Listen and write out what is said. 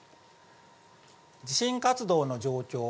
地震活動の状況。